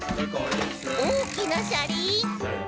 「おおきなしゃりん！」